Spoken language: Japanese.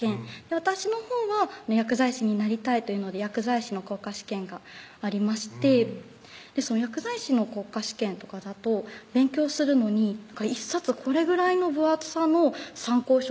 私のほうは薬剤師になりたいというので薬剤師の国家試験がありまして薬剤師の国家試験とかだと勉強するのに１冊これぐらいの分厚さの参考書